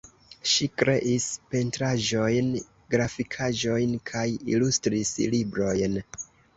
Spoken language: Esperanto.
Ŝi kreis pentraĵojn, grafikaĵojn kaj ilustris librojn.